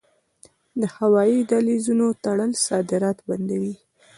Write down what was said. د هوایی دهلیزونو تړل صادرات بندوي.